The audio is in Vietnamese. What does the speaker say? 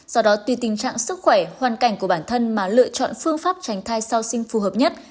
do đó tùy tình trạng sức khỏe hoàn cảnh của bản thân mà lựa chọn phương pháp tránh thai sau sinh phù hợp nhất